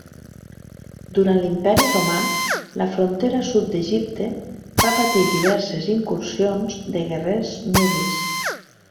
Durant l'Imperi romà, la frontera sud d'Egipte va patir diverses incursions de guerrers nubis.